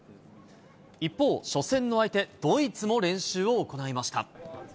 一方、初戦の相手、ドイツも練習を行いました。